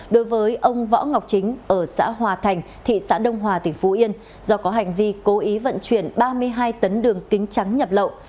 đối với ông võ ngọc chính ở xã hòa thành thị xã đông hòa tỉnh phú yên do có hành vi cố ý vận chuyển ba mươi hai tấn đường kính trắng nhập lậu